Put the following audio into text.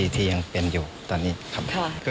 ที่ยังเป็นอยู่ตอนนี้ครับ